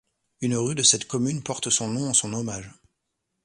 Une rue de cette commune porte son nom en son hommage.